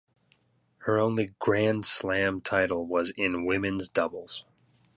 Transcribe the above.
Her only Grand Slam title was in women's doubles.